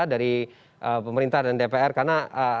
dari pemerintah dan dpr karena